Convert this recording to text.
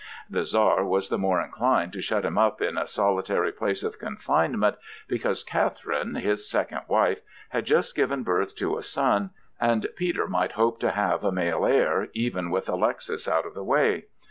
The Czar was the more inclined to shut him up in a solitary place of confinement because Catherine, his second wife, had just given birth to a son, and Peter might hope to have a male heir, even with Alexis out of the way.